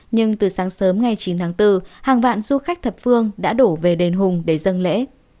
nhưng từ sáng sớm ngày chín tháng bốn hàng vạn du khách thập phương đã đổ về đền hùng để dân lễ